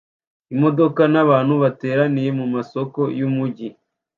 Imodoka nabantu bateraniye mumasoko yumujyi